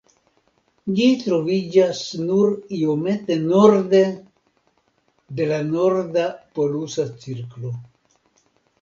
Ĝi troviĝas nur iomete norde de la norda polusa cirklo.